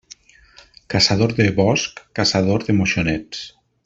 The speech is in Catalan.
Caçador de bosc, caçador de moixonets.